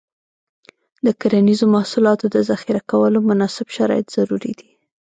د کرنیزو محصولاتو د ذخیره کولو مناسب شرایط ضروري دي.